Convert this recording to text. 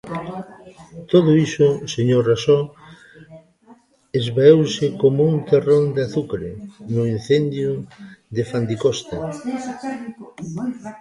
Todo iso, señor Raxó, esvaeuse coma un terrón de azucre no incendio de Fandicosta.